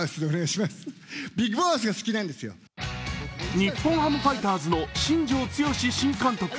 日本ハムファイターズの新庄剛志新監督。